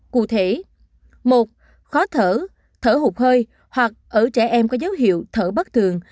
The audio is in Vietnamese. cụ thể một khó thở thở hụt hơi hoặc ở trẻ em có dấu hiệu thở bất thường